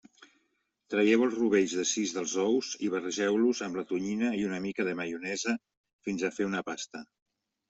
Traieu els rovells de sis dels ous i barregeu-los amb la tonyina i una mica de maionesa fins a fer una pasta.